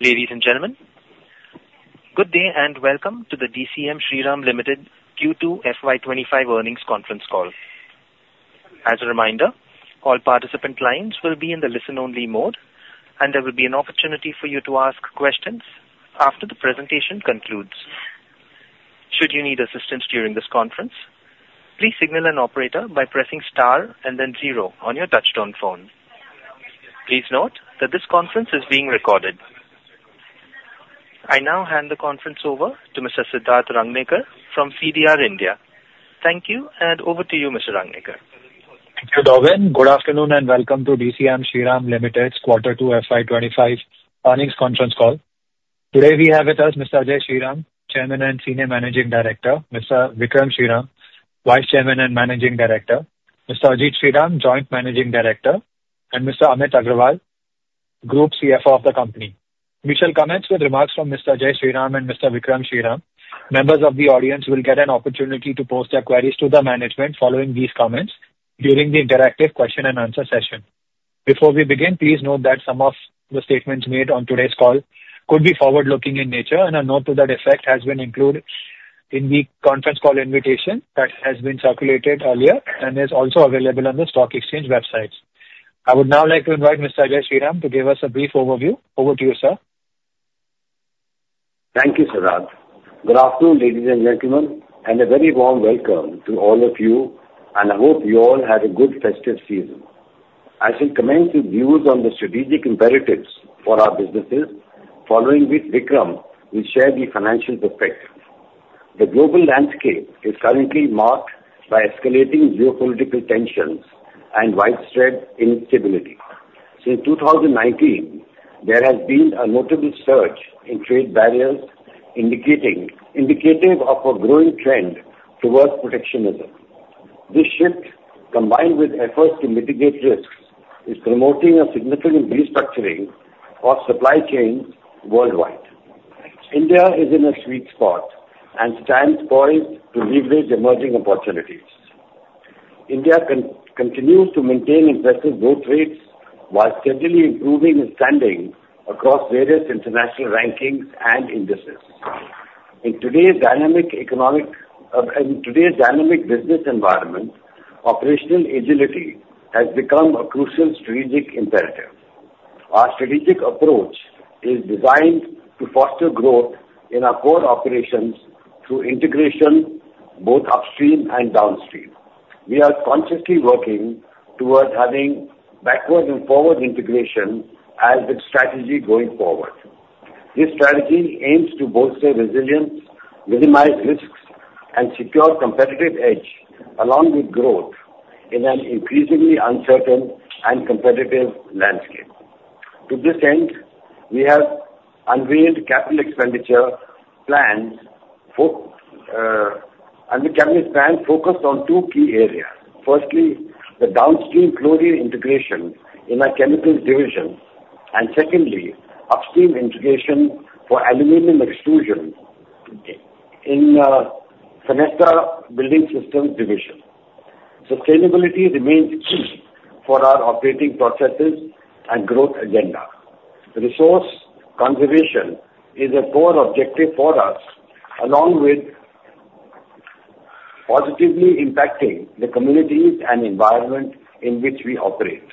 Ladies and gentlemen, good day and welcome to the DCM Shriram Limited Q2 FY25 Earnings Conference Call. As a reminder, all participant lines will be in the listen-only mode, and there will be an opportunity for you to ask questions after the presentation concludes. Should you need assistance during this conference, please signal an operator by pressing star and then zero on your touch-tone phone. Please note that this conference is being recorded. I now hand the conference over to Mr. Siddharth Rangnekar from CDR India. Thank you, and over to you, Mr. Rangnekar. Thank you, Darwin. Good afternoon and welcome to DCM Shriram Limited's Quarter Two FY25 earnings conference call. Today we have with us Mr. Ajay Shriram, Chairman and Senior Managing Director, Mr. Vikram Shriram, Vice Chairman and Managing Director, Mr. Ajit Shriram, Joint Managing Director, and Mr. Amit Agarwal, Group CFO of the company. We shall commence with remarks from Mr. Ajay Shriram and Mr. Vikram Shriram. Members of the audience will get an opportunity to post their queries to the management following these comments during the interactive question-and-answer session. Before we begin, please note that some of the statements made on today's call could be forward-looking in nature, and a note to that effect has been included in the conference call invitation that has been circulated earlier and is also available on the stock exchange websites. I would now like to invite Mr. Ajay Shriram to give us a brief overview. Over to you, sir. Thank you, Siddharth. Good afternoon, ladies and gentlemen, and a very warm welcome to all of you, and I hope you all had a good festive season. I shall commence with views on the strategic imperatives for our businesses, following which Vikram will share the financial perspective. The global landscape is currently marked by escalating geopolitical tensions and widespread instability. Since 2019, there has been a notable surge in trade barriers indicative of a growing trend towards protectionism. This shift, combined with efforts to mitigate risks, is promoting a significant restructuring of supply chains worldwide. India is in a sweet spot and stands poised to leverage emerging opportunities. India continues to maintain impressive growth rates while steadily improving its standing across various international rankings and indices. In today's dynamic business environment, operational agility has become a crucial strategic imperative. Our strategic approach is designed to foster growth in our core operations through integration both upstream and downstream. We are consciously working towards having backward and forward integration as a strategy going forward. This strategy aims to bolster resilience, minimize risks, and secure competitive edge along with growth in an increasingly uncertain and competitive landscape. To this end, we have unveiled capital expenditure plans focused on two key areas. Firstly, the downstream forward integration in our chemical division, and secondly, upstream integration for aluminum extrusion in the Fenesta Building Systems division. Sustainability remains key for our operating processes and growth agenda. Resource conservation is a core objective for us, along with positively impacting the communities and environment in which we operate.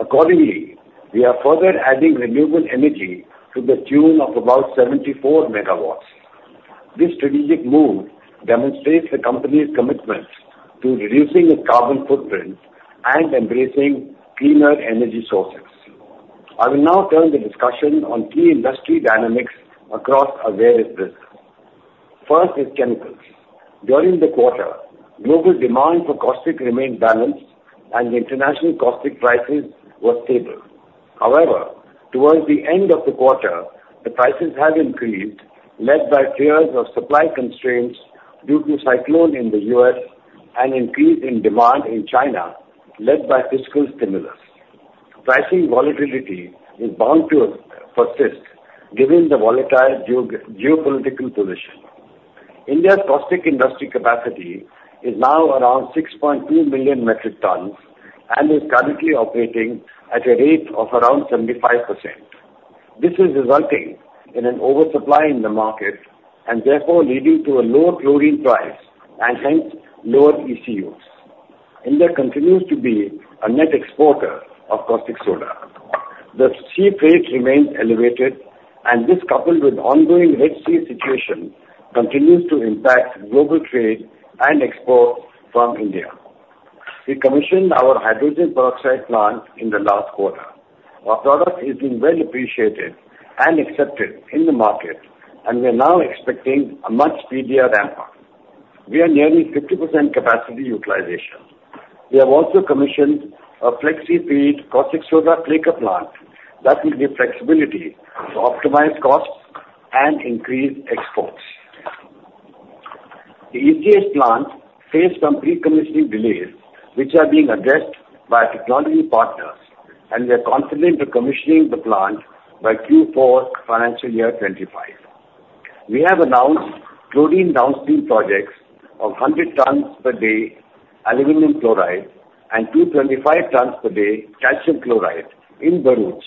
Accordingly, we are further adding renewable energy to the tune of about 74 MWs. This strategic move demonstrates the company's commitment to reducing its carbon footprint and embracing cleaner energy sources. I will now turn the discussion on key industry dynamics across various businesses. First is chemicals. During the quarter, global demand for caustic remained balanced, and the international caustic prices were stable. However, towards the end of the quarter, the prices have increased, led by fears of supply constraints due to a cyclone in the U.S. and an increase in demand in China, led by fiscal stimulus. Pricing volatility is bound to persist given the volatile geopolitical position. India's caustic industry capacity is now around 6.2 million metric tons and is currently operating at a rate of around 75%. This is resulting in an oversupply in the market and therefore leading to a lower chlorine price and hence lower ECUs. India continues to be a net exporter of caustic soda. The sea freight remains elevated, and this, coupled with the ongoing Red Sea situation, continues to impact global trade and exports from India. We commissioned our hydrogen peroxide plant in the last quarter. Our product is being well appreciated and accepted in the market, and we are now expecting a much speedier ramp-up. We are nearing 50% capacity utilization. We have also commissioned a flexi-feed caustic soda flaker plant that will give flexibility to optimize costs and increase exports. The ECH plant faced some pre-commissioning delays, which are being addressed by technology partners, and we are confident in commissioning the plant by Q4 financial year 2025. We have announced chlorine downstream projects of 100 tons per day aluminum chloride and 225 tons per day calcium chloride in Bharuch,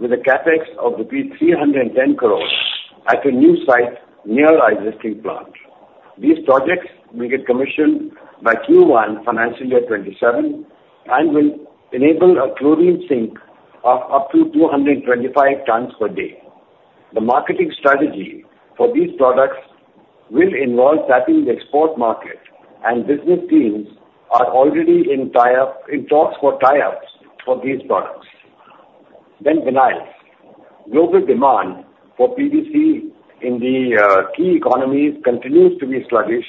with a Capex of 310 crore at a new site near our existing plant. These projects will get commissioned by Q1 financial year 27 and will enable a chlorine sink of up to 225 tons per day. The marketing strategy for these products will involve tapping the export market, and business teams are already in talks for tie-ups for these products. Then, finally, global demand for PVC in the key economies continues to be sluggish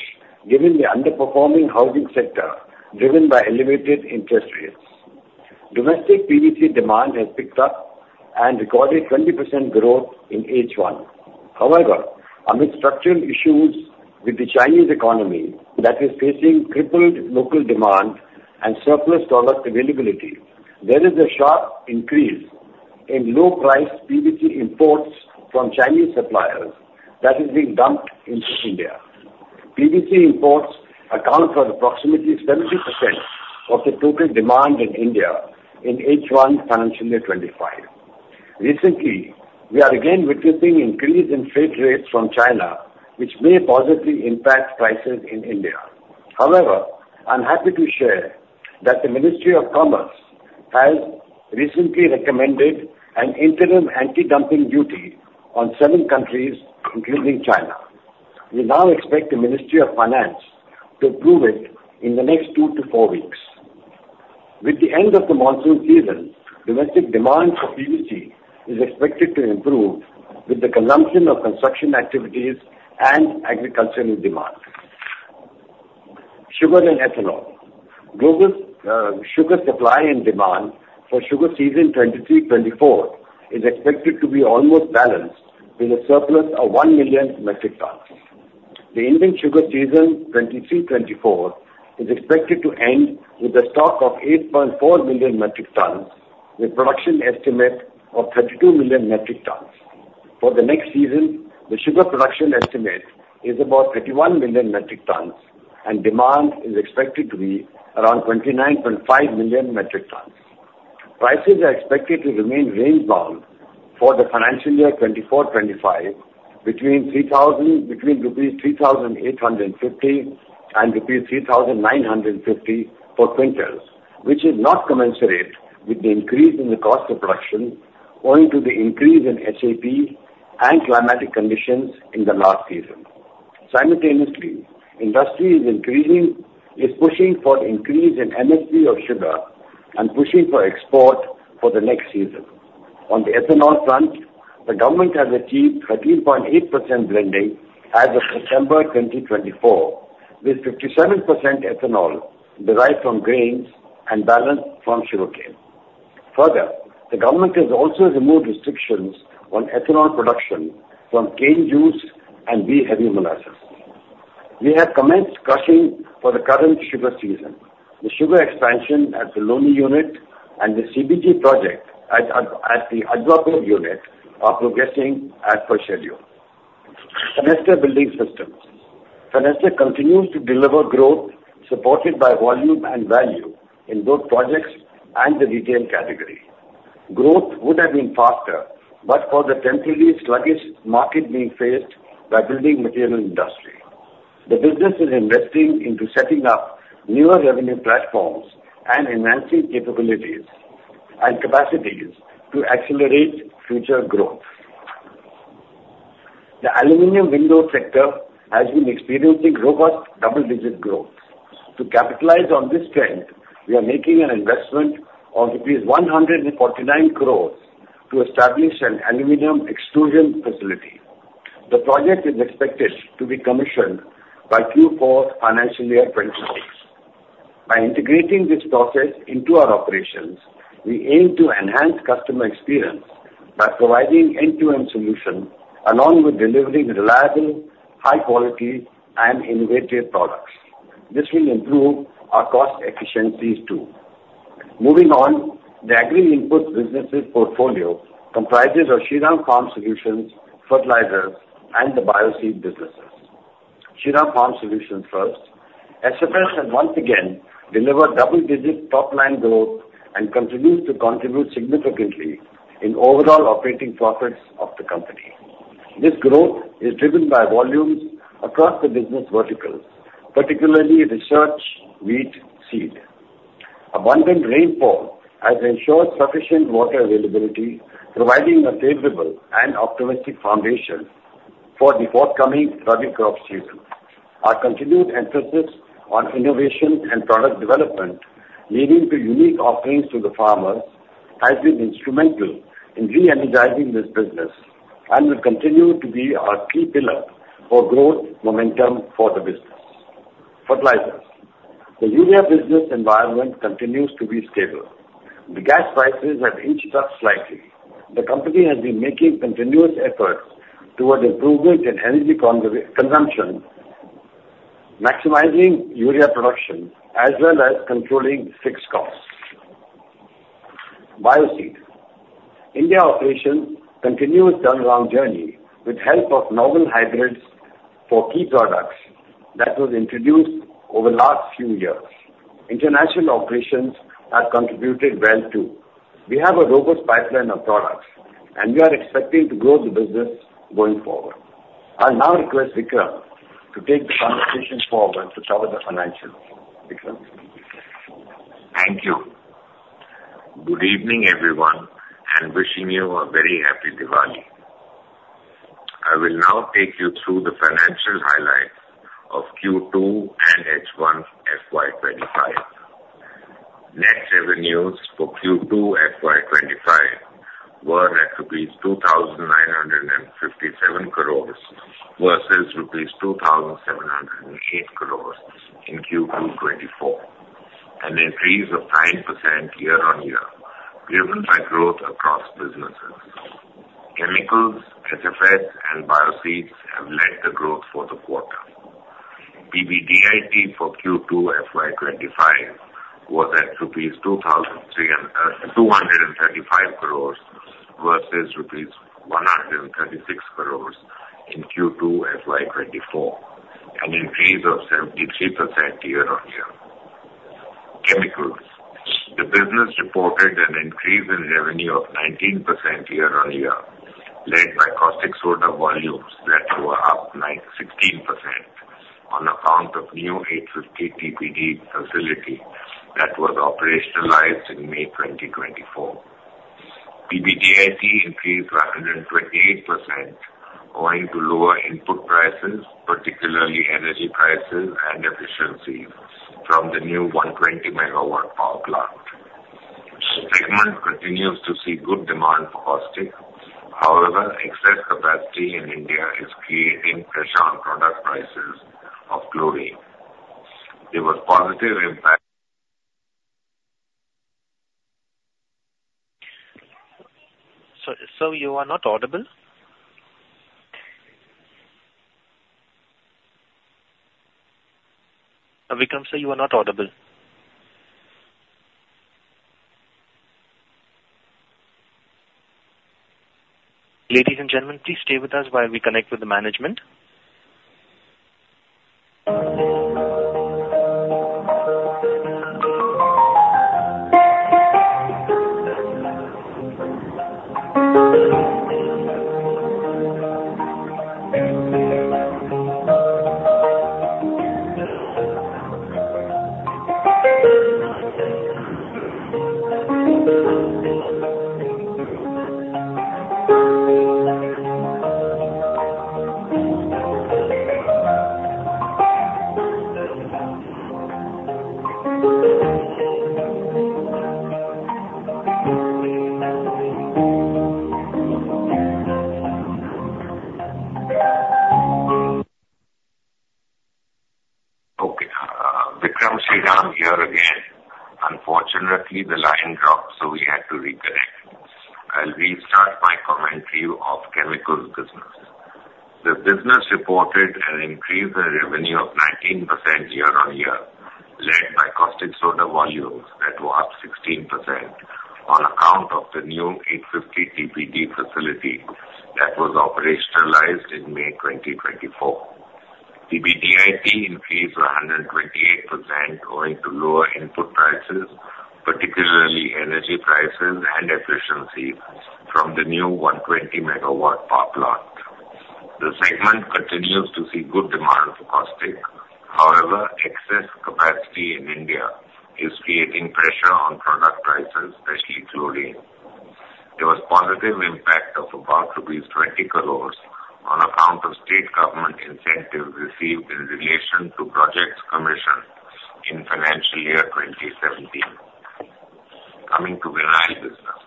given the underperforming housing sector driven by elevated interest rates. Domestic PVC demand has picked up and recorded 20% growth in H1. However, amid structural issues with the Chinese economy that is facing crippled local demand and surplus product availability, there is a sharp increase in low-priced PVC imports from Chinese suppliers that are being dumped into India. PVC imports account for approximately 70% of the total demand in India in H1 financial year 25. Recently, we are again witnessing an increase in freight rates from China, which may positively impact prices in India. However, I'm happy to share that the Ministry of Commerce has recently recommended an interim anti-dumping duty on seven countries, including China. We now expect the Ministry of Finance to approve it in the next two to four weeks. With the end of the monsoon season, domestic demand for PVC is expected to improve with the consumption of construction activities and agricultural demand. Sugar and ethanol, global sugar supply and demand for sugar season 2023-24 is expected to be almost balanced with a surplus of one million metric tons. The Indian sugar season 2023-24 is expected to end with a stock of 8.4 million metric tons, with a production estimate of 32 million metric tons. For the next season, the sugar production estimate is about 31 million metric tons, and demand is expected to be around 29.5 million metric tons. Prices are expected to remain range-bound for the financial year 2024-25 between rupees 3,850 and rupees 3,950 per quintal, which is not commensurate with the increase in the cost of production, owing to the increase in SAP and climatic conditions in the last season. Simultaneously, industry is pushing for an increase in MSP of sugar and pushing for export for the next season. On the ethanol front, the government has achieved 13.8% blending as of December 2024, with 57% ethanol derived from grains and balanced from sugarcane. Further, the government has also removed restrictions on ethanol production from cane juice and B-Heavy molasses. We have commenced crushing for the current sugar season. The sugar expansion at the Loni unit and the CBG project at the Ajbapur unit are progressing as per schedule. Fenesta Building Systems. Fenesta continues to deliver growth supported by volume and value in both projects and the retail category. Growth would have been faster, but for the temporary sluggish market being faced by the building material industry. The business is investing into setting up newer revenue platforms and enhancing capabilities and capacities to accelerate future growth. The aluminum window sector has been experiencing robust double-digit growth. To capitalize on this trend, we are making an investment of rupees 149 crore to establish an aluminum extrusion facility. The project is expected to be commissioned by Q4 FY26. By integrating this process into our operations, we aim to enhance customer experience by providing end-to-end solutions along with delivering reliable, high-quality, and innovative products. This will improve our cost efficiencies too. Moving on, the agri-input businesses portfolio comprises of Shriram Farm Solutions, fertilizers, and the Bioseed business. Shriram Farm Solutions first, SFS has once again delivered double-digit top-line growth and continues to contribute significantly in overall operating profits of the company. This growth is driven by volumes across the business verticals, particularly research wheat seed. Abundant rainfall has ensured sufficient water availability, providing a favorable and optimistic foundation for the forthcoming rabi crop season. Our continued emphasis on innovation and product development, leading to unique offerings to the farmers, has been instrumental in re-energizing this business and will continue to be our key pillar for growth momentum for the business. Fertilizers, the urea business environment continues to be stable. The gas prices have inched up slightly. The company has been making continuous efforts toward improvement in energy consumption, maximizing ECU production as well as controlling fixed costs. Bioseed, India operations continue its turnaround journey with the help of novel hybrids for key products that were introduced over the last few years. International operations have contributed well too. We have a robust pipeline of products, and we are expecting to grow the business going forward. I'll now request Vikram to take the conversation forward to cover the financials. Vikram. Thank you. Good evening, everyone, and wishing you a very happy Diwali. I will now take you through the financial highlights of Q2 and H1 FY25. Net revenues for Q2 FY25 were at rupees 2,957 crore versus rupees 2,708 crore in Q2 FY24, an increase of 9% year-on-year driven by growth across businesses. Chemicals, SFS, and Bioseed have led the growth for the quarter. PBDIT for Q2 FY25 was at INR 2,235 crore versus INR 136 crore in Q2 FY24, an increase of 73% year-on-year. Chemicals, the business reported an increase in revenue of 19% year-on-year, led by caustic soda volumes that were up 16% on account of a new 850 TPD facility that was operationalized in May 2024. PBDIT increased 128%, owing to lower input prices, particularly energy prices and efficiencies, from the new 120 MW power plant. Segment continues to see good demand for caustic. However, excess capacity in India is creating pressure on product prices of chlorine. There was positive impact. So you are not audible? Vikram, so you are not audible. Ladies and gentlemen, please stay with us while we connect with the management. Okay. Vikram Shriram here again. Unfortunately, the line dropped, so we had to reconnect. I'll restart my commentary of chemicals business. The business reported an increase in revenue of 19% year-on-year, led by caustic soda volumes that were up 16% on account of the new 850 TPD facility that was operationalized in May 2024. PBDIT increased 128%, owing to lower input prices, particularly energy prices and efficiencies, from the new 120 MW power plant. The segment continues to see good demand for caustic; however, excess capacity in India is creating pressure on product prices, especially chlorine. There was positive impact of about rupees 20 crore on account of state government incentives received in relation to projects commissioned in financial year 2017. Coming to final business,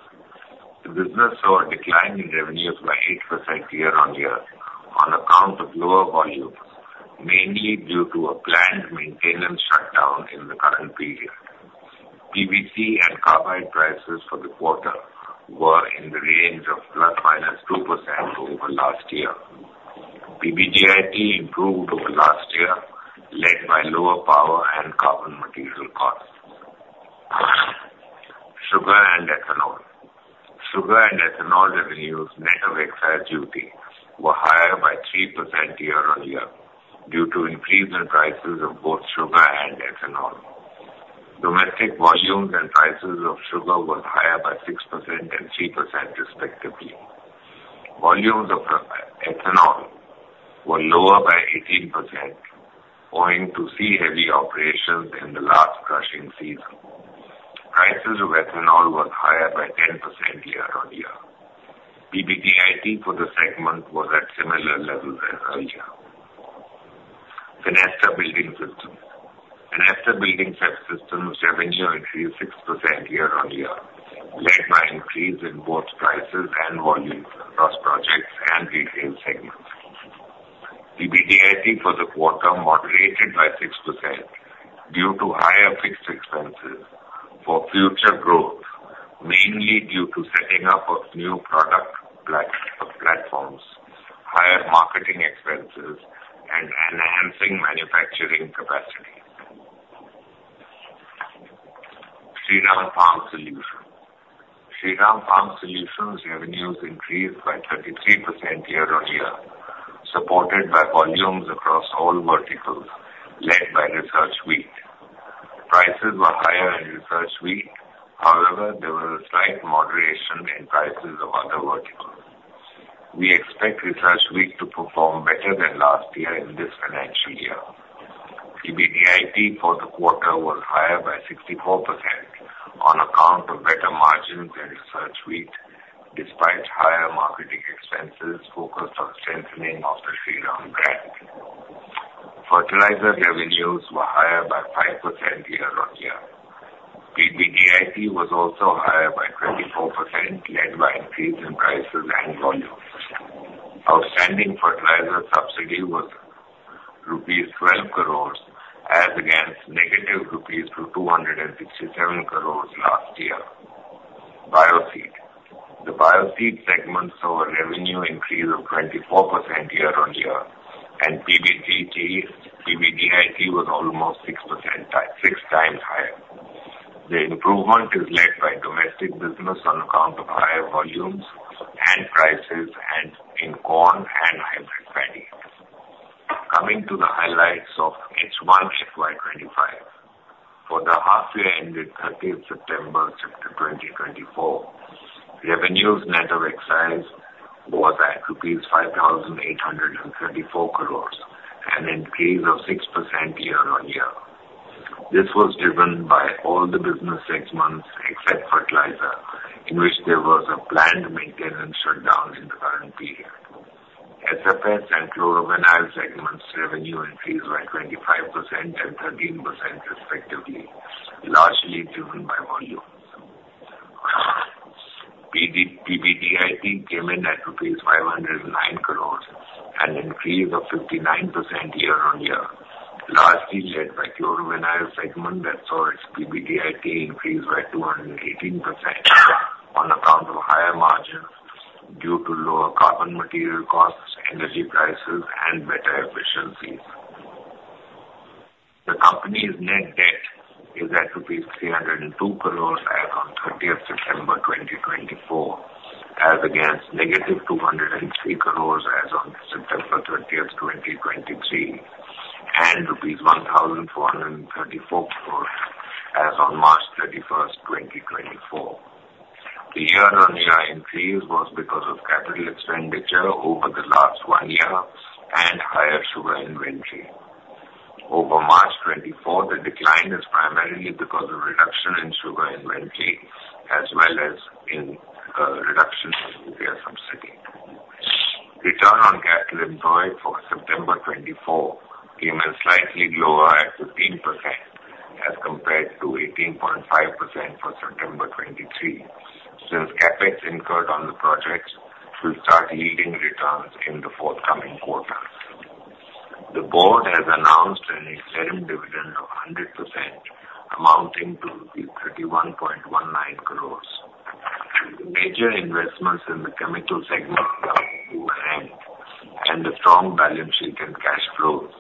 the business saw a decline in revenues by 8% year-on-year on account of lower volumes, mainly due to a planned maintenance shutdown in the current period. PVC and carbide prices for the quarter were in the range of plus minus 2% over last year. PBDIT improved over last year, led by lower power and carbon material costs. Sugar and ethanol. Sugar and ethanol revenues net of excise duty were higher by 3% year-on-year due to increase in prices of both sugar and ethanol. Domestic volumes and prices of sugar were higher by 6% and 3%, respectively. Volumes of ethanol were lower by 18%, owing to C-Heavy operations in the last crushing season. Prices of ethanol were higher by 10% year-on-year. PBDIT for the segment was at similar levels as earlier. Fenesta Building Systems. Fenesta Building Systems revenue increased 6% year-on-year, led by increase in both prices and volumes across projects and retail segments. PBDIT for the quarter moderated by 6% due to higher fixed expenses for future growth, mainly due to setting up of new product platforms, higher marketing expenses, and enhancing manufacturing capacity. Shriram Farm Solutions. Shriram Farm Solutions revenues increased by 33% year-on-year, supported by volumes across all verticals, led by Research Wheat. Prices were higher in Research Wheat; however, there was a slight moderation in prices of other verticals. We expect Research Wheat to perform better than last year in this financial year. PBDIT for the quarter was higher by 64% on account of better margins in Research Wheat, despite higher marketing expenses focused on strengthening of the Shriram brand. Fertilizer revenues were higher by 5% year-on-year. PBDIT was also higher by 24%, led by increase in prices and volumes. Outstanding fertilizer subsidy was rupees 12 crore, as against negative 267 crore rupees last year. Bioseed. The Bioseed segment saw a revenue increase of 24% year-on-year, and PBDIT was almost 6 times higher. The improvement is led by domestic business on account of higher volumes and prices in corn and hybrid paddy. Coming to the highlights of H1 FY25. For the half-year ended 30 September 2024, revenues net of excise was at rupees 5,834 crore, an increase of 6% year-on-year. This was driven by all the business segments except fertilizer, in which there was a planned maintenance shutdown in the current period. SFS and chloro-vinyl segments revenue increased by 25% and 13%, respectively, largely driven by volumes. PBDIT came in at 509 crore, an increase of 59% year-on-year, largely led by chloro-vinyl segment that saw its PBDIT increase by 218% on account of higher margins due to lower carbon material costs, energy prices, and better efficiencies. The company's net debt is at rupees 302 crore as of 30 September 2024, as against negative 203 crore as of September 30, 2023, and rupees 1,434 crore as of March 31, 2024. The year-on-year increase was because of capital expenditure over the last one year and higher sugar inventory. Over March 2024, the decline is primarily because of reduction in sugar inventory as well as reduction in urea subsidy. Return on capital employed for September 2024 came in slightly lower at 15% as compared to 18.5% for September 2023, since CapEx incurred on the projects will start yielding returns in the forthcoming quarter. The board has announced an excellent dividend of 100%, amounting to 31.19 crore. Major investments in the chemical segment are on hand, and the strong balance sheet and cash flows.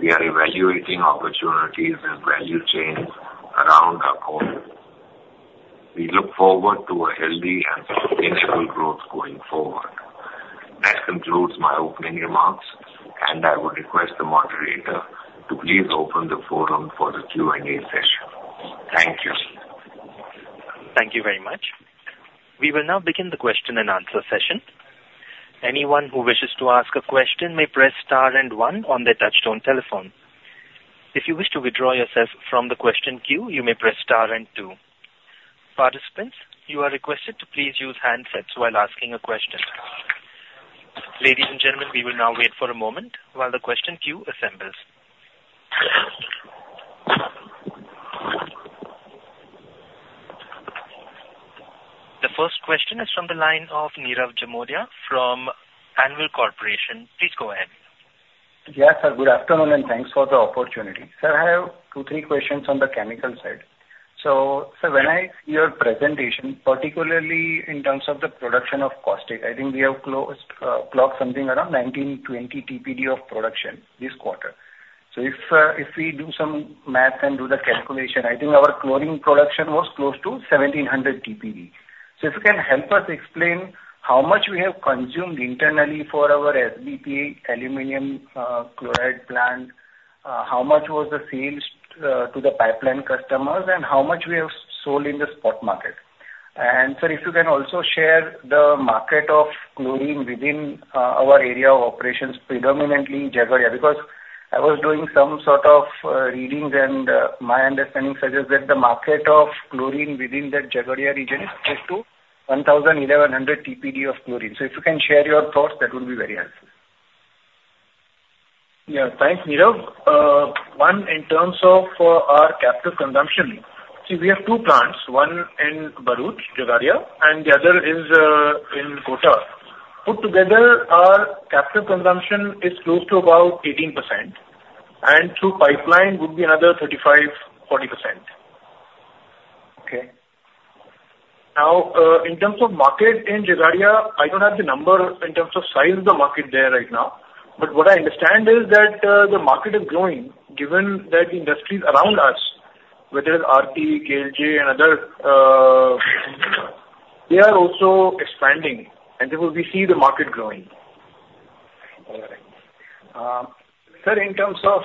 We are evaluating opportunities and value chains around our corner. We look forward to a healthy and sustainable growth going forward. That concludes my opening remarks, and I would request the moderator to please open the forum for the Q&A session. Thank you. Thank you very much. We will now begin the question and answer session. Anyone who wishes to ask a question may press star and one on their touch-tone telephone. If you wish to withdraw yourself from the question queue, you may press star and two. Participants, you are requested to please use handsets while asking a question. Ladies and gentlemen, we will now wait for a moment while the question queue assembles. The first question is from the line of Nirav Jimudia from Anvil Share & Stock Broking. Please go ahead. Yes, sir. Good afternoon, and thanks for the opportunity. Sir, I have two, three questions on the chemical side. So, sir, when I see your presentation, particularly in terms of the production of caustic, I think we have clocked something around 1920 TPD of production this quarter. So if we do some math and do the calculation, I think our chlorine production was close to 1,700 TPD. So if you can help us explain how much we have consumed internally for our SBP, aluminum chloride plant, how much was the sales to the pipeline customers, and how much we have sold in the spot market. Sir, if you can also share the market of chlorine within our area of operations, predominantly Jhagadia, because I was doing some sort of readings, and my understanding suggests that the market of chlorine within the Jhagadia region is close to 1,100 TPD of chlorine. If you can share your thoughts, that would be very helpful. Yeah, thanks, Nirav. One, in terms of our caustic consumption, see, we have two plants, one in Bharuch, Jhagadia, and the other is in Kota. Put together, our caustic consumption is close to about 18%, and through pipeline would be another 35-40%. Okay. Now, in terms of market in Jhagadia, I don't have the number in terms of size of the market there right now, but what I understand is that the market is growing, given that the industries around us, whether it's RIL, KLJ, and others, they are also expanding, and we see the market growing. All right. Sir, in terms of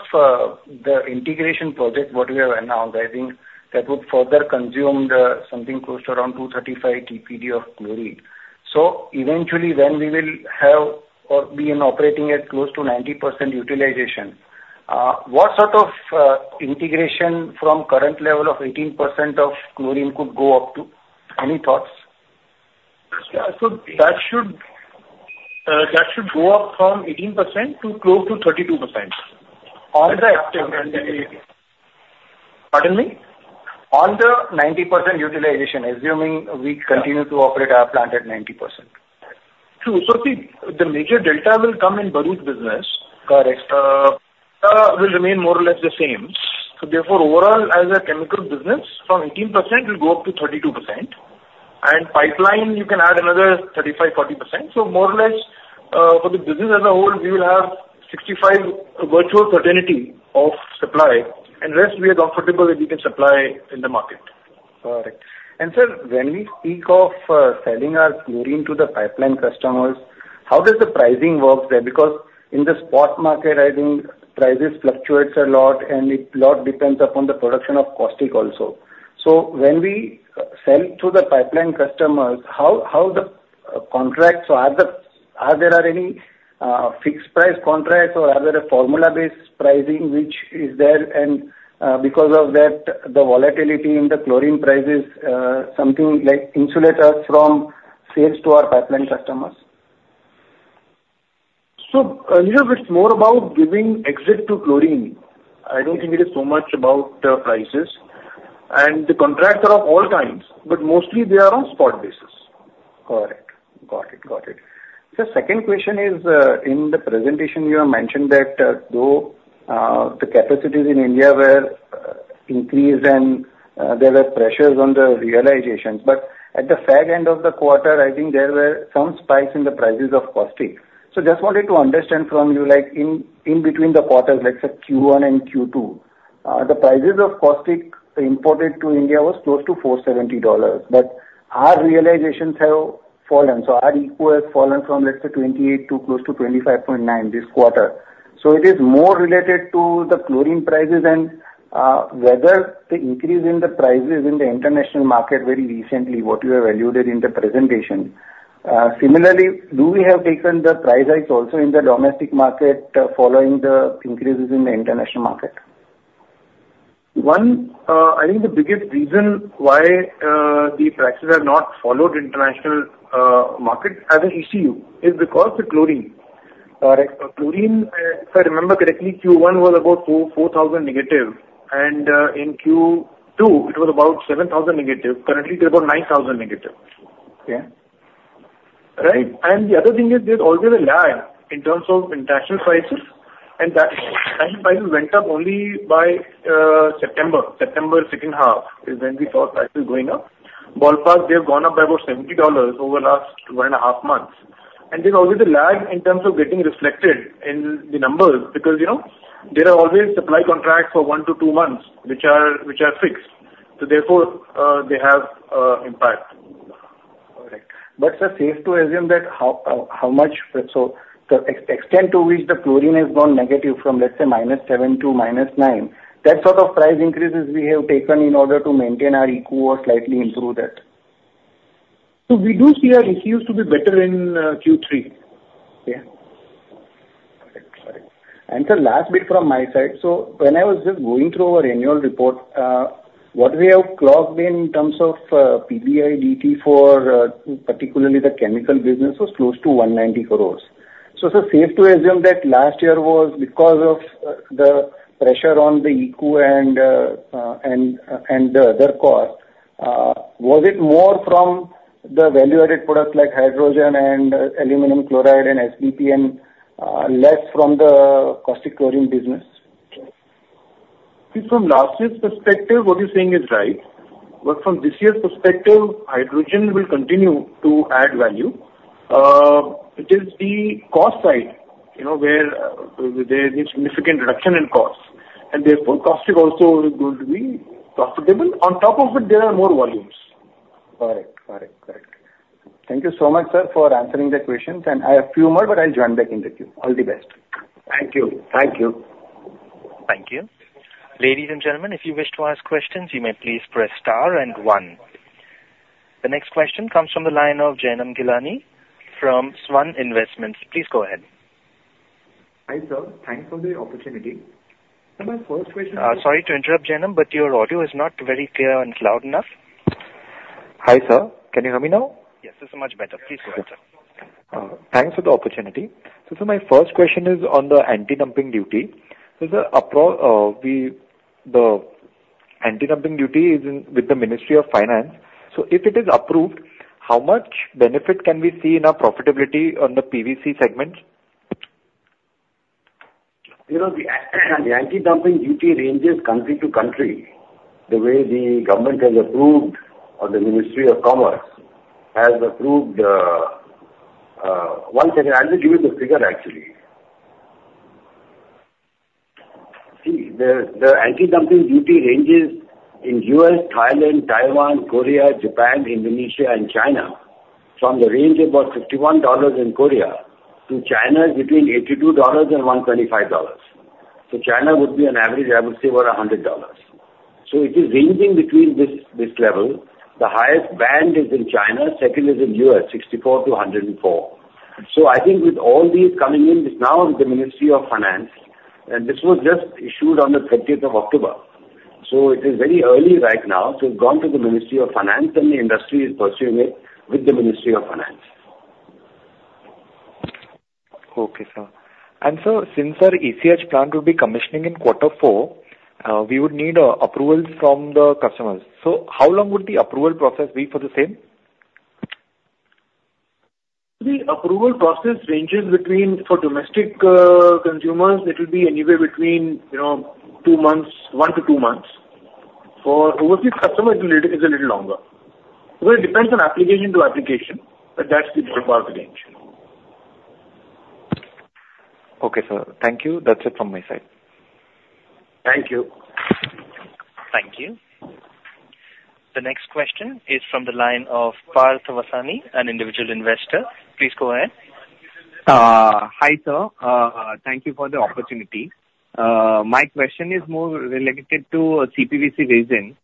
the integration project, what we have announced, I think that would further consume something close to around 235 TPD of chlorine. So eventually, then we will have or be in operating at close to 90% utilization. What sort of integration from current level of 18% of chlorine could go up to? Any thoughts? Yeah, so that should go up from 18% to close to 32%. On the. Pardon me? On the 90% utilization, assuming we continue to operate our plant at 90%. True. So see, the major delta will come in Bharuch business. Correct. Will remain more or less the same. So therefore, overall, as a chemical business, from 18%, we'll go up to 32%. And pipeline, you can add another 35-40%. So more or less, for the business as a whole, we will have 65% vertical integration of supply, and the rest we are comfortable that we can supply in the market. Correct. And, sir, when we speak of selling our chlorine to the pipeline customers, how does the pricing work there? Because in the spot market, I think prices fluctuate a lot, and it a lot depends upon the production of caustic also. So when we sell to the pipeline customers, how the contract, so are there any fixed price contracts, or are there a formula-based pricing, which is there? And because of that, the volatility in the chlorine prices, something like insulate us from sales to our pipeline customers? So, Nirav, it's more about giving exit to chlorine. I don't think it is so much about prices. And the contracts are of all kinds, but mostly they are on spot basis. Correct. Got it. Got it. The second question is, in the presentation, you have mentioned that though the capacities in India were increased and there were pressures on the realizations, but at the fag end of the quarter, I think there were some spikes in the prices of caustic. So just wanted to understand from you, in between the quarters, let's say Q1 and Q2, the prices of caustic imported to India was close to $470, but our realizations have fallen. So our ECU has fallen from, let's say, 28 to close to 25.9 this quarter. So it is more related to the chlorine prices and whether the increase in the prices in the international market very recently, what you have evaluated in the presentation. Similarly, do we have taken the price hikes also in the domestic market following the increases in the international market? One, I think the biggest reason why the prices are not following the international market as an issue is because the chlorine. Correct. Chlorine, if I remember correctly, Q1 was about 4,000 negative, and in Q2, it was about 7,000 negative. Currently, it is about 9,000 negative. Okay. Right? And the other thing is there's always a lag in terms of international prices, and that international prices went up only by September. September second half is when we saw prices going up. Ballpark, they have gone up by about $70 over the last one and a half months. And there's always a lag in terms of getting reflected in the numbers because there are always supply contracts for one to two months, which are fixed. So therefore, they have impact. Correct. But, sir, safe to assume that how much so the extent to which the chlorine has gone negative from, let's say, minus seven to minus nine, that sort of price increases we have taken in order to maintain our ECU or slightly improve that? So we do see our ECUs to be better in Q3. Okay. Got it. Got it. And, sir, last bit from my side. So when I was just going through our annual report, what we have clocked in terms of PBDIT for particularly the chemical business was close to 190 crores. So is it safe to assume that last year was because of the pressure on the ECU and the other cost, was it more from the value-added products like hydrogen and aluminum chloride and SBP and less from the caustic chlorine business? See, from last year's perspective, what you're saying is right. But from this year's perspective, hydrogen will continue to add value. It is the cost side where there is a significant reduction in cost. And therefore, caustic also is going to be profitable. On top of it, there are more volumes. Correct. Thank you so much, sir, for answering the questions. I have a few more, but I'll join back in the queue. All the best. Thank you. Thank you. Thank you. Ladies and gentlemen, if you wish to ask questions, you may please press star and one. The next question comes from the line of Janam Ghelani from Swan Investments. Please go ahead. Hi, sir. Thanks for the opportunity. So my first question. Sorry to interrupt, Janam, but your audio is not very clear and loud enough. Hi, sir. Can you hear me now? Yes, this is much better. Please go ahead, sir. Thanks for the opportunity. So, sir, my first question is on the anti-dumping duty. So, sir, the anti-dumping duty is with the Ministry of Finance. So if it is approved, how much benefit can we see in our profitability on the PVC segment? You know, the anti-dumping duty ranges country to country the way the government has approved or the Ministry of Commerce has approved. One second. I'll give you the figure, actually. See, the anti-dumping duty ranges in US, Thailand, Taiwan, Korea, Japan, Indonesia, and China from the range of about $51 in Korea to China between $82 and $125, so China would be an average, I would say, about $100, so it is ranging between this level. The highest band is in China. Second is in US, $64-$104. So I think with all these coming in now with the Ministry of Finance, and this was just issued on the 30th of October, so it is very early right now, so it's gone to the Ministry of Finance, and the industry is pursuing it with the Ministry of Finance. Okay, sir. Since the ECH plant would be commissioning in quarter four, we would need approvals from the customers. How long would the approval process be for the same? The approval process ranges between, for domestic consumers, it will be anywhere between one to two months. For overseas customers, it is a little longer. So it depends on application to application, but that's the rough range here. Okay, sir. Thank you. That's it from my side. Thank you. Thank you. The next question is from the line of Parth Vasani, an individual investor. Please go ahead. Hi, sir. Thank you for the opportunity. My question is more related to CPVC resin.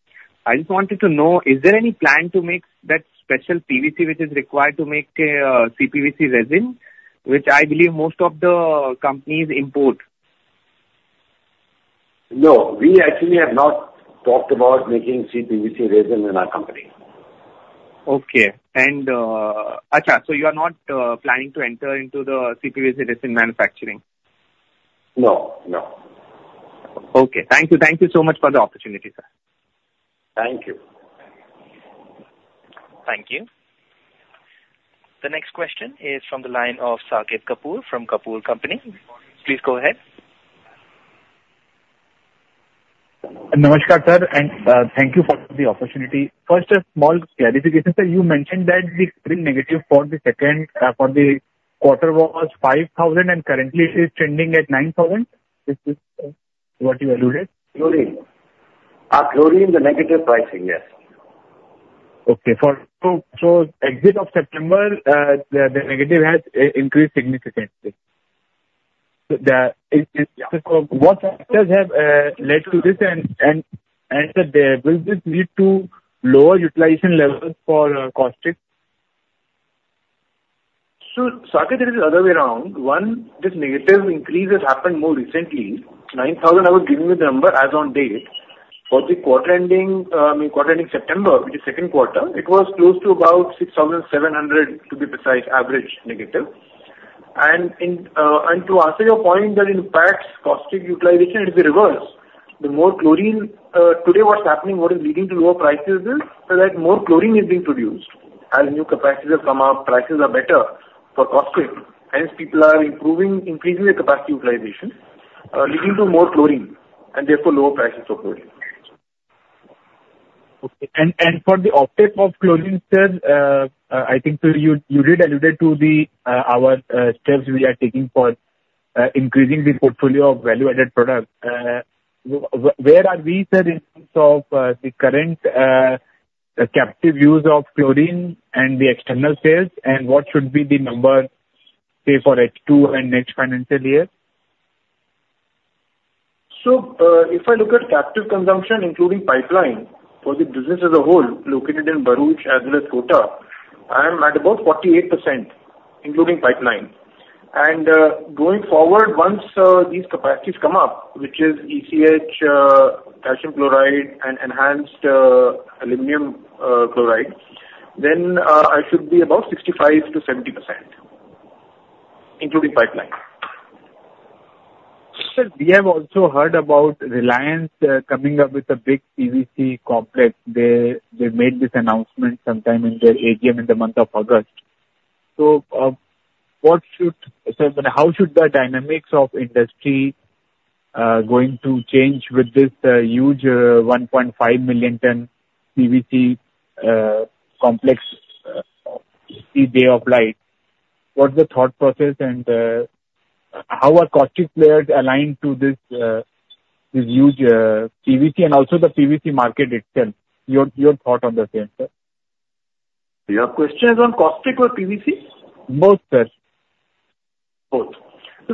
I just wanted to know, is there any plan to make that special PVC which is required to make CPVC resin, which I believe most of the companies import? No. We actually have not talked about making CPVC resin in our company. Okay. And so you are not planning to enter into the CPVC resin manufacturing? No. No. Okay. Thank you. Thank you so much for the opportunity, sir. Thank you. Thank you. The next question is from the line of Saket Kapoor from Kapoor & Co. Please go ahead. Namaskar, sir, and thank you for the opportunity. First, a small clarification, sir. You mentioned that the negative for the second quarter was 5,000, and currently, it is trending at 9,000. Is this what you alluded to? Chlorine. Chlorine is a negative pricing, yes. Okay. So end of September, the negative has increased significantly. So what factors have led to this? And, sir, will this lead to lower utilization levels for caustic? So, Saket, there is another way around. One, this negative increase has happened more recently. 9,000, I was giving you the number as on date. For the quarter ending, I mean, quarter ending September, which is second quarter, it was close to about 6,700, to be precise, average negative. And to answer your point that in fact, caustic utilization, it is reversed. The more chlorine today, what's happening, what is leading to lower prices is that more chlorine is being produced. As new capacities have come up, prices are better for caustic. Hence, people are improving, increasing the capacity utilization, leading to more chlorine and therefore lower prices for chlorine. Okay. And for the optics of chlorine, sir, I think you did alluded to our steps we are taking for increasing the portfolio of value-added products. Where are we, sir, in terms of the current captive use of chlorine and the external sales, and what should be the number, say, for H2 and next financial year? So if I look at captive consumption, including pipeline for the business as a whole located in Bharuch as well as Kota, I'm at about 48%, including pipeline. And going forward, once these capacities come up, which is ECH, calcium chloride, and enhanced aluminum chloride, then I should be about 65%-70%, including pipeline. Sir, we have also heard about Reliance coming up with a big PVC complex. They made this announcement sometime in the AGM in the month of August. So what should, sir, how should the dynamics of industry going to change with this huge 1.5 million ton PVC complex see the light of day? What's the thought process, and how are caustic players aligned to this huge PVC and also the PVC market itself? Your thought on the same, sir. Your question is on caustic or PVC? Both, sir. Both.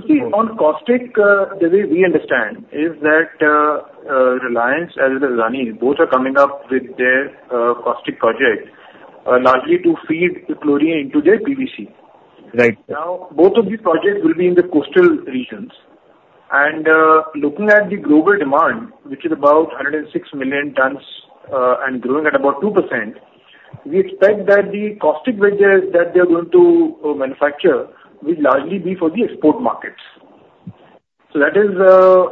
See, on caustic, the way we understand is that Reliance as well as KLJ, both are coming up with their caustic project, largely to feed the chlorine into their PVC. Now, both of these projects will be in the coastal regions. And looking at the global demand, which is about 106 million tons and growing at about 2%, we expect that the caustic soda that they are going to manufacture will largely be for the export markets. So that is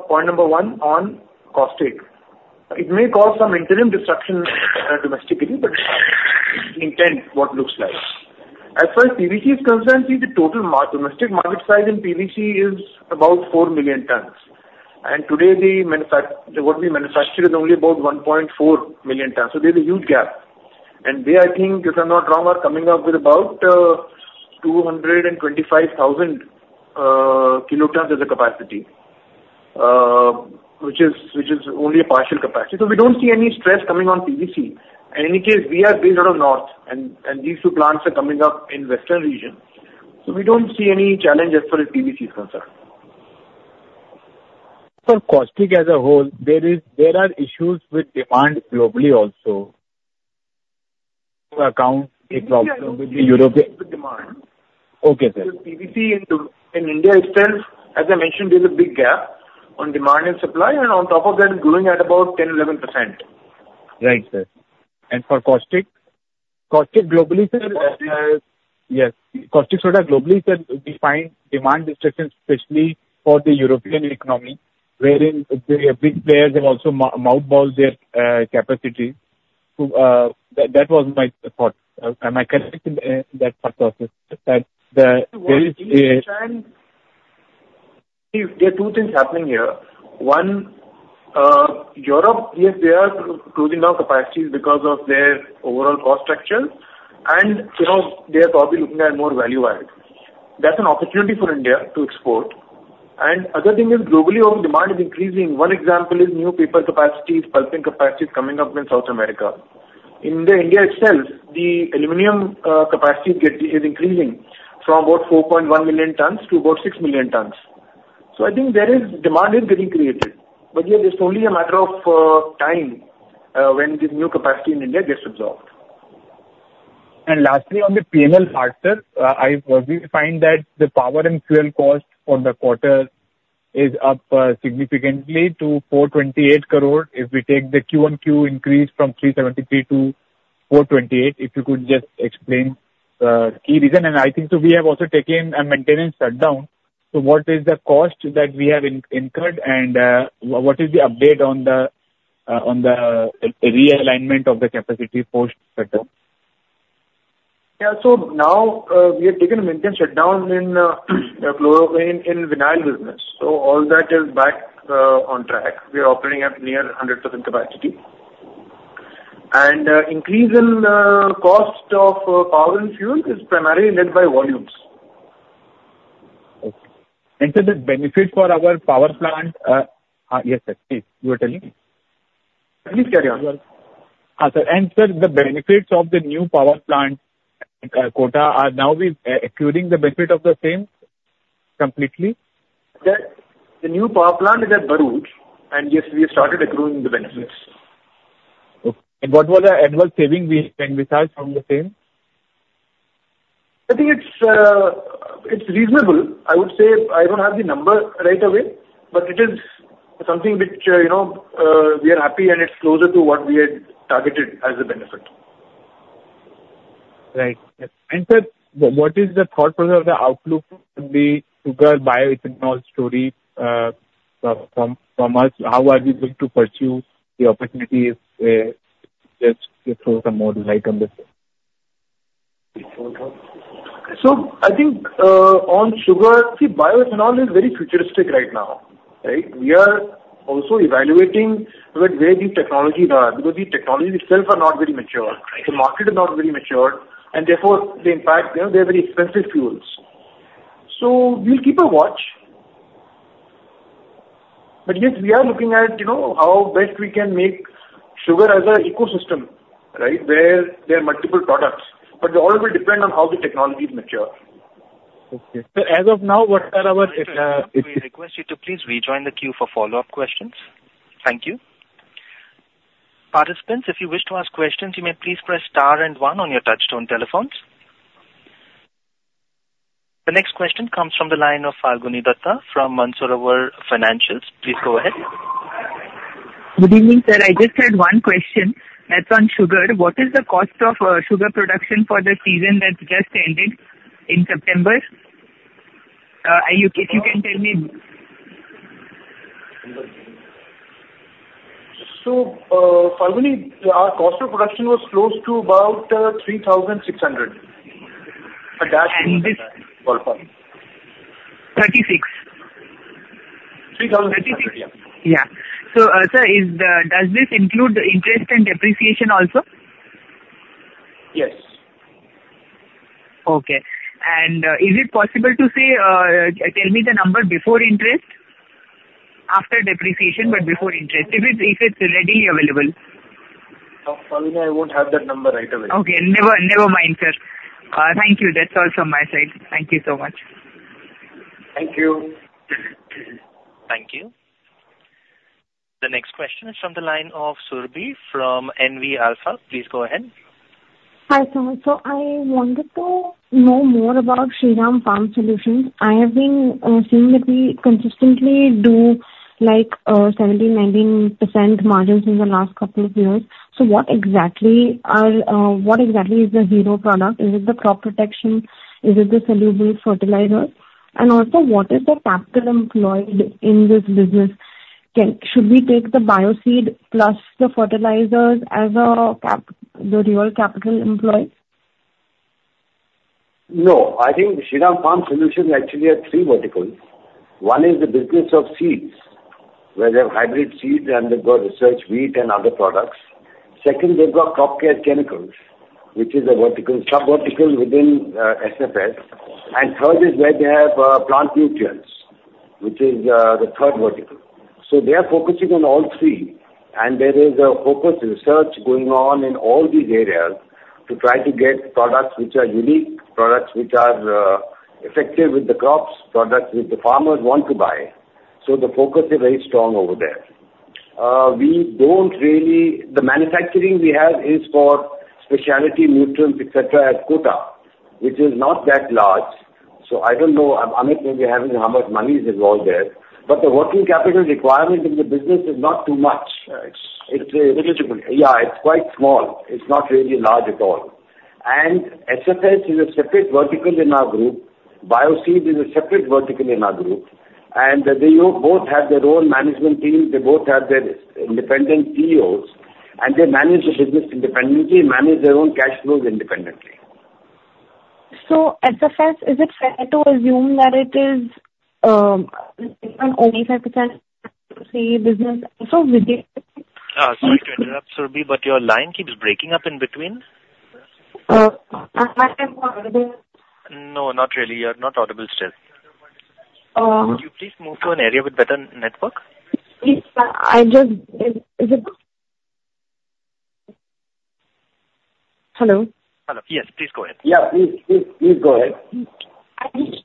point number one on caustic. It may cause some interim disruption domestically, but its intent, what it looks like. As far as PVC is concerned, see, the total domestic market size in PVC is about 4 million tons. And today, what we manufacture is only about 1.4 million tons. So there's a huge gap. They, I think, if I'm not wrong, are coming up with about 225,000 tons as a capacity, which is only a partial capacity. So we don't see any stress coming on PVC. In any case, we are based out of north, and these two plants are coming up in western region. So we don't see any challenge as far as PVC is concerned. For caustic as a whole, there are issues with demand globally also. To account for the problem with Europe. Yes, with demand. Okay, sir. So PVC in India itself, as I mentioned, there's a big gap on demand and supply, and on top of that, it's growing at about 10%-11%. Right, sir. And for caustic? Caustic globally, sir? Yes. Yes. Caustic product globally, sir, we find demand restrictions, especially for the European economy, wherein the big players have also mothballed their capacity. That was my thought. Am I correct in that thought process? That there is a. See, there are two things happening here. One, Europe, yes, they are closing down capacities because of their overall cost structure. And they are probably looking at more value-added. That's an opportunity for India to export. And other thing is globally, our demand is increasing. One example is new paper capacities, pulping capacities coming up in South America. In India itself, the aluminum capacity is increasing from about 4.1 million tons to about 6 million tons. So I think there is demand getting created. But yet, it's only a matter of time when this new capacity in India gets absorbed. And lastly, on the P&L part, sir, we find that the power and fuel cost for the quarter is up significantly to 428 crore if we take the Q1Q increase from 373 crore to 428 crore. If you could just explain the key reason. And I think so we have also taken a maintenance shutdown. So what is the cost that we have incurred, and what is the update on the realignment of the capacity post-shutdown? Yeah. So now we have taken a maintenance shutdown in the chloro-vinyl business. So all that is back on track. We are operating at near 100% capacity. And increase in the cost of power and fuel is primarily led by volumes. And sir, the benefit for our power plant, yes, sir. Please, you were telling me. Please carry on. Sir. And, sir, the benefits of the new power plant Kota are now we're accruing the benefit of the same completely? The new power plant is at Bharuch, and yes, we started accruing the benefits. What was the annual saving we can derive from the same? I think it's reasonable. I would say I don't have the number right away, but it is something which we are happy, and it's closer to what we had targeted as a benefit. Right. And, sir, what is the thought process of the outlook to the bioethanol story from us? How are we going to pursue the opportunity if we just throw some more light on this? So I think on sugar, see, bioethanol is very futuristic right now, right? We are also evaluating where these technologies are because these technologies themselves are not very mature. The market is not very mature. And therefore, they, in fact, are very expensive fuels. So we'll keep a watch. But yes, we are looking at how best we can make sugar as an ecosystem, right, where there are multiple products. But it all will depend on how the technologies mature. Okay. So as of now, what are our? We request you to please rejoin the queue for follow-up questions. Thank you. Participants, if you wish to ask questions, you may please press star and one on your touch-tone telephones. The next question comes from the line of Phalguni Dutta from Mansarovar Financials. Please go ahead. Good evening, sir. I just had one question. That's on sugar. What is the cost of sugar production for the season that just ended in September? If you can tell me. Phalguni, our cost of production was close to about 3,600. And this? 36. 3,600. 36. Yeah. Yeah. So, sir, does this include interest and depreciation also? Yes. Okay, and is it possible to say, "Tell me the number before interest, after depreciation, but before interest," if it's readily available? Phalguni, I won't have that number right away. Okay. Never mind, sir. Thank you. That's all from my side. Thank you so much. Thank you. Thank you. The next question is from the line of Surbhi from NV Alpha. Please go ahead. Hi, sir. So I wanted to know more about Shriram Farm Solutions. I have been seeing that we consistently do 17%-19% margins in the last couple of years. So what exactly is the hero product? Is it the crop protection? Is it the soluble fertilizer? And also, what is the capital employed in this business? Should we take the Bioseed plus the fertilizers as the real capital employed? No. I think Shriram Farm Solutions actually have three verticals. One is the business of seeds, where they have hybrid seeds and they've got research wheat and other products. Second, they've got crop care chemicals, which is a vertical, subvertical within SFS. And third is where they have plant nutrients, which is the third vertical. So they are focusing on all three. And there is a focus research going on in all these areas to try to get products which are unique, products which are effective with the crops, products which the farmers want to buy. So the focus is very strong over there. We don't really the manufacturing we have is for specialty nutrients, etc., at Kota, which is not that large. So I don't know. I'm unable to tell you how much money is involved there. But the working capital requirement in the business is not too much. Right. It's a little bit. Yeah, it's quite small. It's not really large at all, and SFS is a separate vertical in our group. Bioseed is a separate vertical in our group, and they both have their own management teams. They both have their independent P&Ls, and they manage the business independently and manage their own cash flows independently. So SFS, is it fair to assume that it is only 5% C business? So with the. Sorry to interrupt, Surbhi, but your line keeps breaking up in between. Am I audible? No, not really. You're not audible still. Would you please move to an area with better network? Yes, sir. I just is it? Hello? Hello. Yes, please go ahead. Yeah, please, please, please go ahead. I just wanted to know if you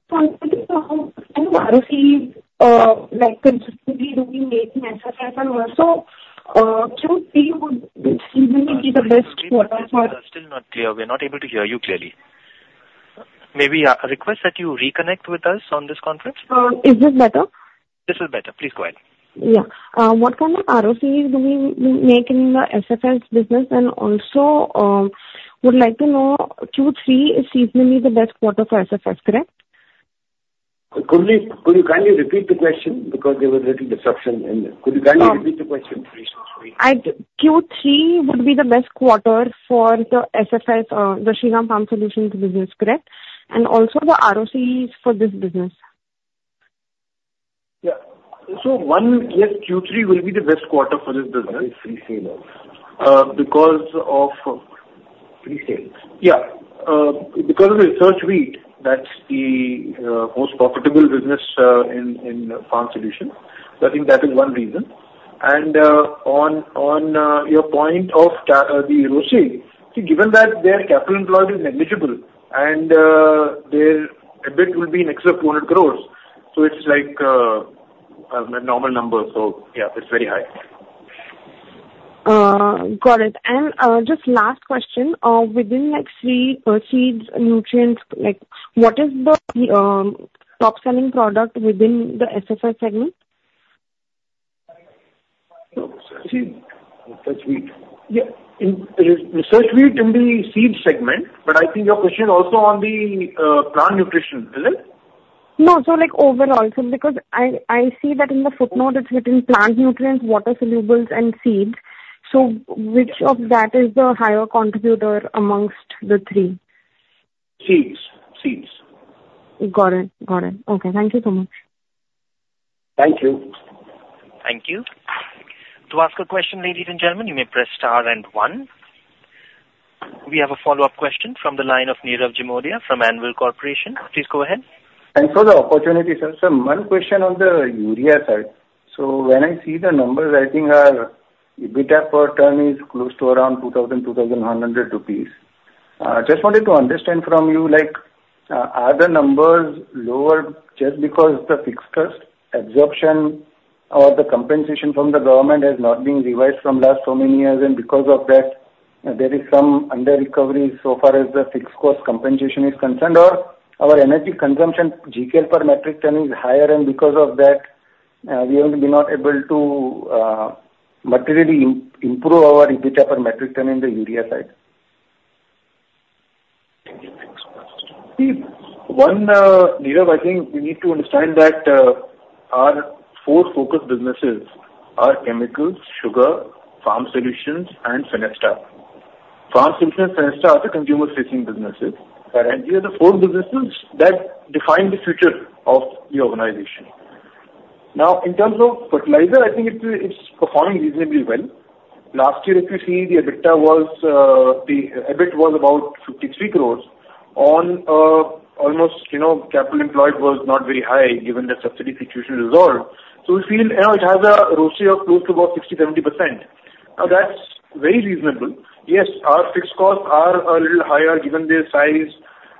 are consistently doing SFS, and also, can you say what season would be the best quarter for? We are still not clear. We are not able to hear you clearly. Maybe I request that you reconnect with us on this conference. Is this better? This is better. Please go ahead. Yeah. What kind of ROCs do we make in the SFS business? And also, would like to know Q3 is seasonally the best quarter for SFS, correct? Could you kindly repeat the question? Because there was a little disruption in the Q3. Could you kindly repeat the question? Q3 would be the best quarter for the SFS, the Shriram Farm Solutions business, correct? And also the ROCs for this business? Yeah, so one, yes, Q3 will be the best quarter for this business. With resales? Because of resales. Yeah. Because of Research Wheat, that's the most profitable business in Farm Solutions. So I think that is one reason. And on your point of the ROC, see, given that their capital employed is negligible and their EBIT will be in excess of 200 crore, so it's like a normal number. So yeah, it's very high. Got it. And just last question. Within seeds, nutrients, what is the top-selling product within the SFS segment? Seeds, Research Wheat. Yeah. Research Wheat in the seed segment. But I think your question is also on the plant nutrition. Is it? No. So overall, because I see that in the footnote, it's written plant nutrients, water solubles, and seeds. So which of that is the higher contributor amongst the three? Seeds. Seeds. Got it. Got it. Okay. Thank you so much. Thank you. Thank you. To ask a question, ladies and gentlemen, you may press star and one. We have a follow-up question from the line of Nirav Jimudia from Anvil Share & Stock Broking. Please go ahead. Thanks for the opportunity, sir. So one question on the urea side. So when I see the numbers, I think our EBITDA per ton is close to around 2,000-2,100 rupees. Just wanted to understand from you, are the numbers lower just because the fixed cost absorption or the compensation from the government has not been revised from last so many years? And because of that, there is some under-recovery so far as the fixed cost compensation is concerned? Or our energy consumption, Gcal per metric ton, is higher, and because of that, we have been not able to materially improve our EBITDA per metric ton in the urea side? See, Nirav, I think we need to understand that our four focus businesses are chemicals, sugar, farm solutions, and Fenesta. Farm solutions, Fenesta are the consumer-facing businesses. These are the four businesses that define the future of the organization. Now, in terms of fertilizer, I think it's performing reasonably well. Last year, if you see, the EBITDA was the EBIT was about 53 crore. On almost capital employed was not very high given the subsidy situation resolved. We feel it has a ROCE of close to about 60%-70%. That's very reasonable. Yes, our fixed costs are a little higher given their size,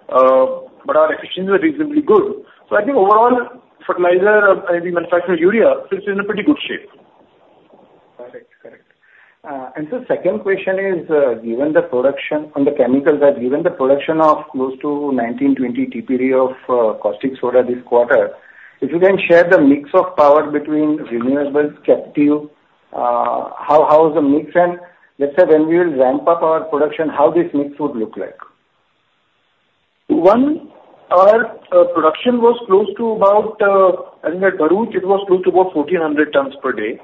but our efficiencies are reasonably good. Overall, fertilizer and the manufacturing urea, it's in a pretty good shape. Correct. Correct. And so second question is, given the production on the chemicals, given the production of close to 19-20 TPD of caustic soda this quarter, if you can share the mix of power between renewables, captive, how is the mix? And let's say when we will ramp up our production, how this mix would look like? One, our production was close to about, I think at Bharuch, it was close to about 1,400 tons per day.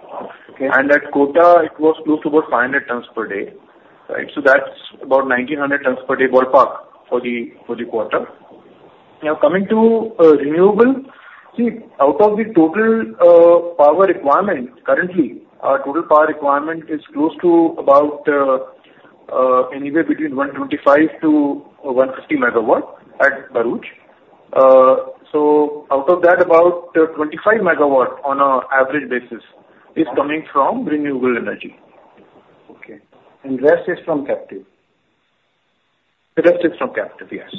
And at Kota, it was close to about 500 tons per day. Right? So that's about 1,900 tons per day ballpark for the quarter. Now, coming to renewable, see, out of the total power requirement currently, our total power requirement is close to about anywhere between 125 to 150 MW at Bharuch. So out of that, about 25 MW on an average basis is coming from renewable energy. Okay. And rest is from captive? The rest is from captive, yes.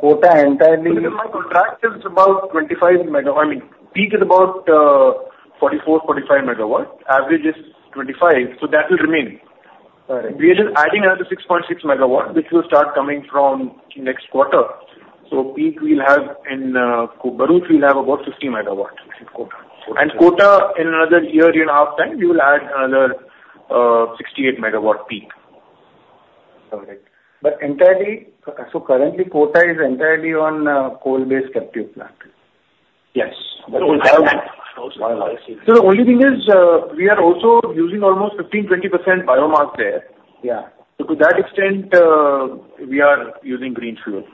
Kota entirely? My contract is about 25 MW. I mean, peak is about 44-45 MW. Average is 25. So that will remain. Correct. We are just adding another 6.6 MWs, which will start coming from next quarter. So, peak, we'll have in Bharuch, we'll have about 50 MWs in Kota and, in Kota, in another year, year and a half time, we will add another 68 MWs peak. Got it. But entirely, so currently, Kota is entirely on coal-based captive plant? Yes. So the only thing is we are also using almost 15%-20% biomass there. So to that extent, we are using green fuel.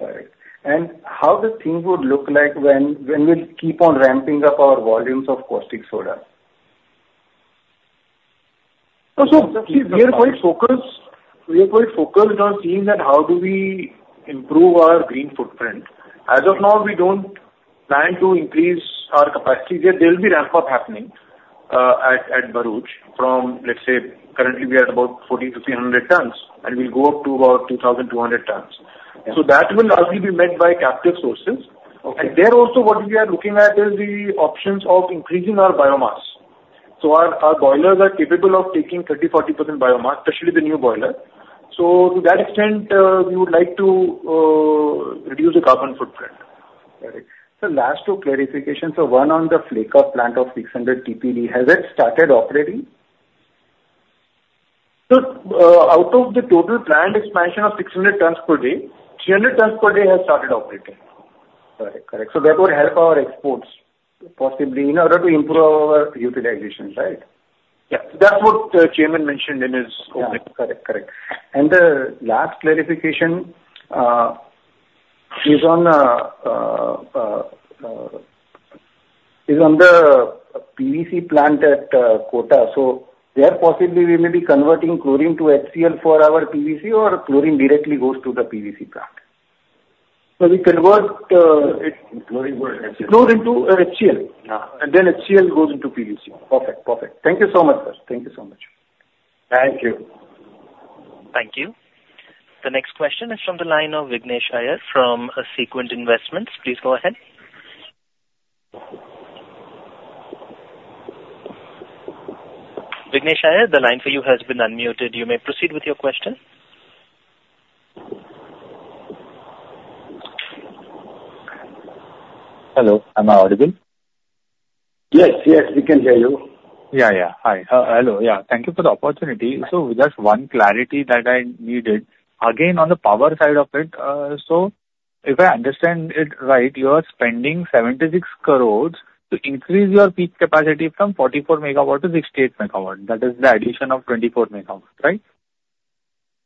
All right. And how the thing would look like when we keep on ramping up our volumes of caustic soda? So we are quite focused on seeing that how do we improve our green footprint. As of now, we don't plan to increase our capacity. There will be ramp-up happening at Bharuch from, let's say, currently we are at about 1,400 to 300 tons, and we'll go up to about 2,200 tons. So that will largely be met by captive sources. And there also, what we are looking at is the options of increasing our biomass. So our boilers are capable of taking 30%-40% biomass, especially the new boiler. So to that extent, we would like to reduce the carbon footprint. Got it. So last two clarifications. So one on the Flaker plant of 600 TPD, has it started operating? Out of the total plant expansion of 600 tons per day, 300 tons per day has started operating. Got it. Got it. So that would help our exports possibly in order to improve our utilization, right? Yeah. That's what the chairman mentioned in his opening. Correct. Correct. And the last clarification is on the PVC plant at Kota. So there possibly we may be converting chlorine to HCl for our PVC or chlorine directly goes to the PVC plant? We convert chlorine into HCl. Then HCl goes into PVC. Perfect. Perfect. Thank you so much, sir. Thank you so much. Thank you. Thank you. The next question is from the line of Vignesh Iyer from Sequent Investments. Please go ahead. Vignesh Iyer, the line for you has been unmuted. You may proceed with your question. Hello. I'm audible? Yes. Yes. We can hear you. Hi. Hello. Thank you for the opportunity. So just one clarity that I needed. Again, on the power side of it, so if I understand it right, you are spending 76 crores to increase your peak capacity from 44 MW to 68 MW. That is the addition of 24 MWs, right?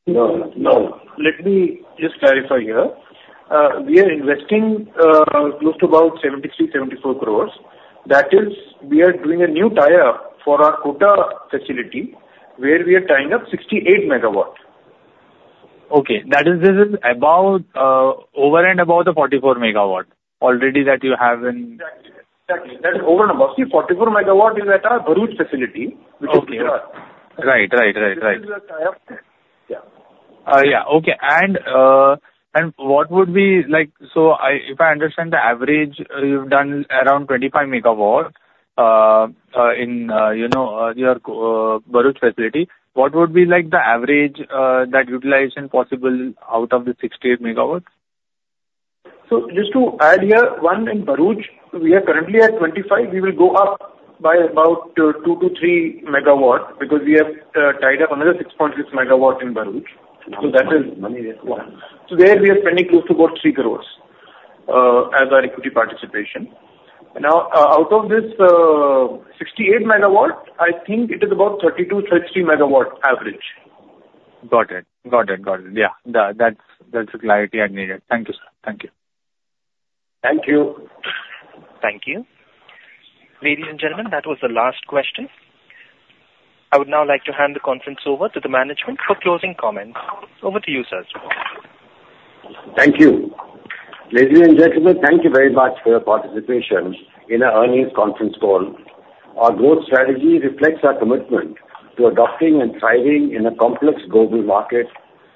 No. No. Let me just clarify here. We are investing close to about 73-74 crore. That is, we are doing a new tower for our Kota facility where we are tying up 68 MWs. Okay. That is about over and above the 44 MW already that you have in. Exactly. Exactly. That is over and above. See, 44 MWs is at our Bharuch facility, which is nearby. Right. Yeah. Okay. And what would be, so if I understand the average, you've done around 25 MWs in your Bharuch facility. What would be the average that utilization possible out of the 68 MWs? So just to add here, one in Bharuch, we are currently at 25. We will go up by about 2-3 MW because we have tied up another 6.6 MW in Bharuch. So that is. Okay. Money there. So there we are spending close to about 3 crores as our equity participation. Now, out of this 68 MW, I think it is about 32-33 MW average. Got it. Got it. Got it. Yeah. That's the clarity I needed. Thank you, sir. Thank you. Thank you. Thank you. Ladies and gentlemen, that was the last question. I would now like to hand the conference over to the management for closing comments. Over to you, sir. Thank you. Ladies and gentlemen, thank you very much for your participation in our earnings conference call. Our growth strategy reflects our commitment to adopting and thriving in a complex global market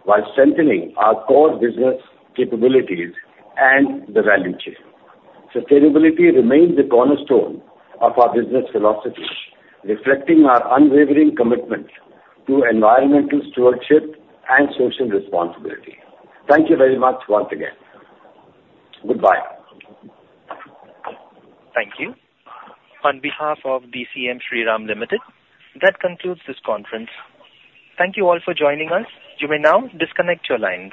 while strengthening our core business capabilities and the value chain. Sustainability remains the cornerstone of our business philosophy, reflecting our unwavering commitment to environmental stewardship and social responsibility. Thank you very much once again. Goodbye. Thank you. On behalf of DCM Shriram Limited, that concludes this conference. Thank you all for joining us. You may now disconnect your lines.